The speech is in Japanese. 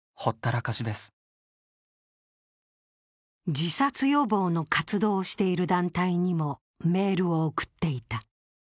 自殺予防の活動をしている団体にもメールを送っていた。